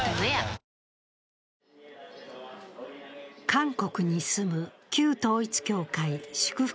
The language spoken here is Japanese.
韓国に住む旧統一教会、祝福